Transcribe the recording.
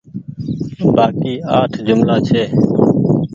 بآڪي اٺ جملآ ڇي